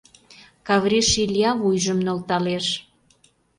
Кавриш Иля вуйжым нӧлталеш.